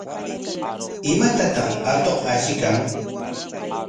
¿Imatataq atuq ashiykan?